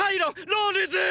ロールズ！